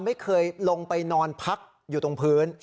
เมื่อ